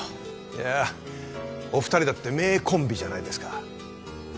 いやお二人だって名コンビじゃないですか。